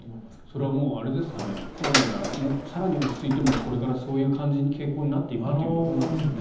それはコロナが更に落ち着いてもこれからそういう傾向になっていくというところですか。